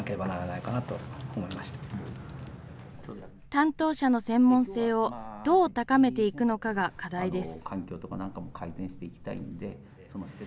担当者の専門性をどう高めていくのかが課題です。